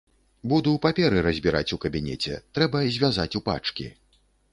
Буду паперы разбіраць у кабінеце, трэба звязаць у пачкі.